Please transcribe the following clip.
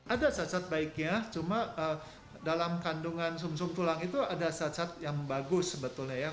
ada cacat baiknya cuma dalam kandungan sum sum tulang itu ada zat zat yang bagus sebetulnya ya